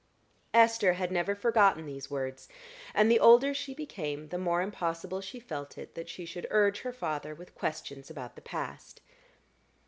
Esther had never forgotten these words, and the older she became, the more impossible she felt it that she should urge her father with questions about the past.